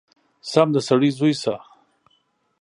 سم د سړي زوی شه!!!